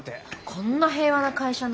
こんな平和な会社なのに。